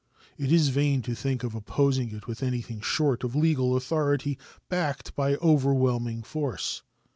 It is vain to think of opposing it with anything short of legal authority backed by overwhelming force.